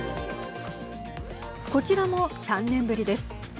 こちらも３年ぶりです。